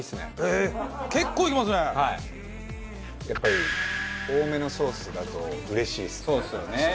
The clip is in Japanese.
やっぱり多めのソースだとうれしいですね。